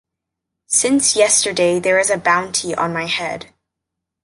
Since yesterday there is a bounty on my head.